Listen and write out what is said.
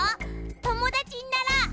ともだちになろう！